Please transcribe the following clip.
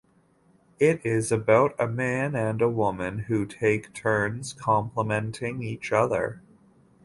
It is about a man and a woman who take turns complimenting each other.